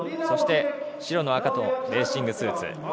そして白と赤のレーシングスーツ。